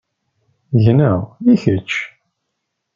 Gneɣ, i kečč?